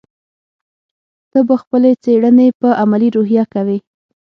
ته به خپلې څېړنې په علمي روحیه کوې.